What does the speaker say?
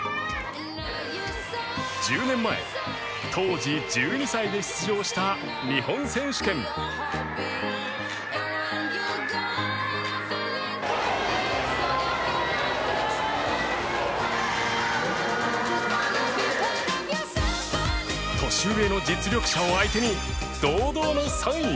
１０年前当時１２歳で出場した日本選手権年上の実力者を相手に堂々の３位